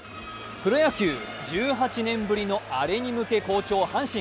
プロ野球、１８年ぶりのアレに向け好調・阪神。